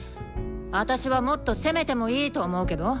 あたしはもっと攻めてもいいと思うけど。